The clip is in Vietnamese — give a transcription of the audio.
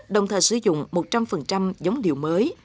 đồng thời sử dụng một trăm linh giống điều mới